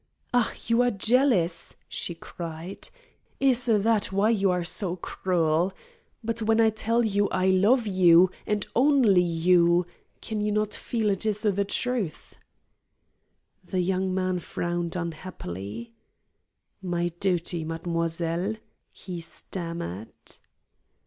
"Ah, you are jealous!" she cried. "Is that why you are so cruel? But when I tell you I love you, and only you, can you not feel it is the truth?" The young man frowned unhappily. "My duty, mademoiselle!" he stammered.